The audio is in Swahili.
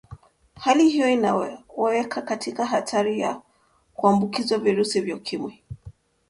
hali hiyo inawaweka katika hatari ya kuambukizwa virusi vya ukimwi